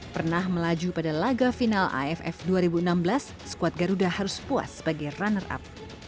pernah melaju pada laga final aff dua ribu enam belas skuad garuda harus puas sebagai runner up